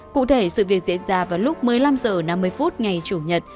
cụ thể sự việc diễn ra vào lúc một mươi năm h năm mươi phút ngày chủ nhật